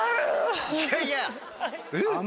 いやいや。